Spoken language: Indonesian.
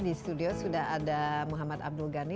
di studio sudah ada muhammad abdul ghani